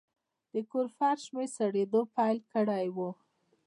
د کور فرش مې سړېدو پیل کړی و.